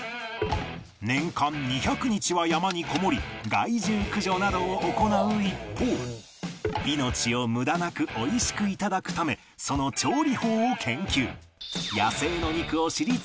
年間２００日は山にこもり害獣駆除などを行う一方命を無駄なく美味しく頂くためその調理法を研究